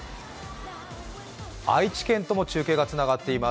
愛知県とも中継がつながっています。